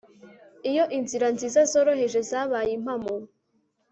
iyo inzira nziza, zoroheje zabaye impamo